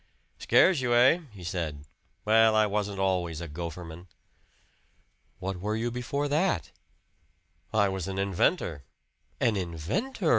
"Scares you, hey?" he said. "Well, I wasn't always a gopherman." "What were you before that?" "I was an inventor." "An inventor!"